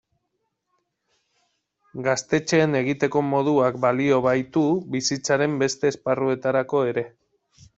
Gaztetxeen egiteko moduak balio baitu bizitzaren beste esparruetarako ere.